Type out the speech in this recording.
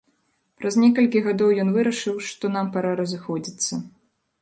Праз некалькі гадоў ён вырашыў, што нам пара разыходзіцца.